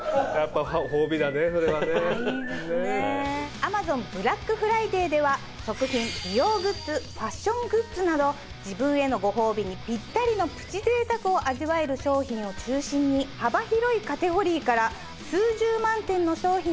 「アマゾンブラックフライデー」では食品美容グッズファッショングッズなど自分へのご褒美にぴったりのプチ贅沢を味わえる商品を中心に幅広いカテゴリーから。